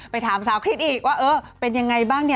ไปถามสาวคลิตอีกว่าเอ้อเป็นอย่างไรบ้าง